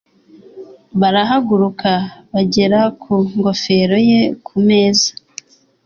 barahaguruka, bagera ku ngofero ye ku meza